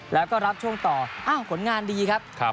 แล้วก็รับช่วงต่ออ้าวผลงานดีครับ